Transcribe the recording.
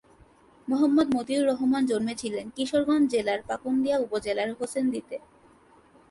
মোহাম্মদ মতিউর রহমান জন্মেছিলেন কিশোরগঞ্জ জেলার পাকুন্দিয়া উপজেলার হোসেন্দিতে।